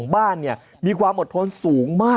เบิร์ตลมเสียโอ้โห